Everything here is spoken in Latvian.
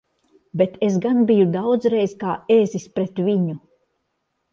Bet es gan biju daudzreiz kā ezis pret viņu!